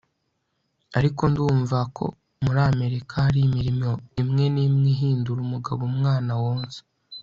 ariko ndumva ko muri amerika hari imirimo imwe n'imwe ihindura umugabo umwana wonsa